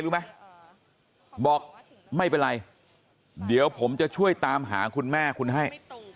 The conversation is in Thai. รู้ไหมบอกไม่เป็นไรเดี๋ยวผมจะช่วยตามหาคุณแม่คุณให้